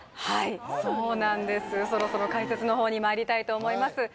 はいそうなんですそろそろ解説の方にまいりたいと思います